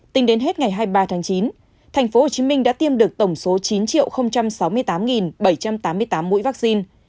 tính đến hết ngày hai mươi ba tháng chín tp hcm đã tiêm được tổng số chín sáu mươi tám bảy trăm tám mươi tám mũi vaccine